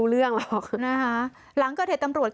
คุณผู้สายรุ่งมโสผีอายุ๔๒ปี